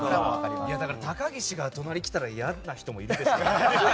高岸が隣に来たら嫌な人もいますよね。